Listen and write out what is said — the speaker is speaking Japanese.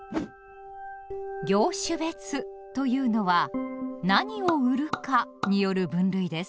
「業種別」というのは「何を売るか」による分類です。